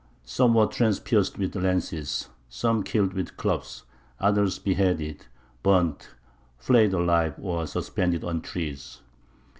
Some were transpierced with lances, some killed with clubs, others beheaded, burnt, flayed alive, or suspended on trees."